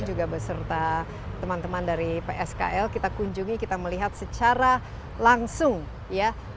juga beserta teman teman dari pskl kita kunjungi kita melihat secara langsung ya